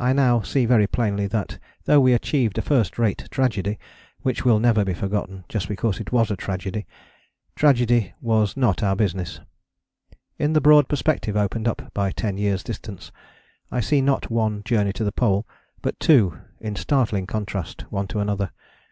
I now see very plainly that though we achieved a first rate tragedy, which will never be forgotten just because it was a tragedy, tragedy was not our business. In the broad perspective opened up by ten years' distance, I see not one journey to the Pole, but two, in startling contrast one to another.